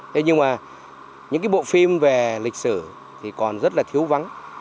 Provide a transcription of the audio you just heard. thế nhưng mà những cái bộ phim về lịch sử thì còn rất là thiếu vắng